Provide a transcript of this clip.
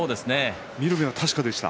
見る目は確かでした。